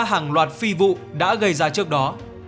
hàng loạt phi vụ đã gây ra trước đó